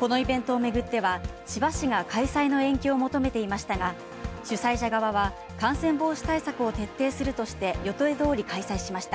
このイベントをめぐっては、千葉市が開催の延期を求めていましたが、主催者側は感染防止対策を徹底するとして予定通り開催しました。